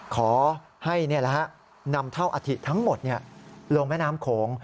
ขอให้นำเท่าอธิทั้งหมดลงแม่น้ำโขง